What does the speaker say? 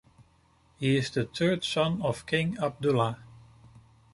He is the third son of King Abdullah.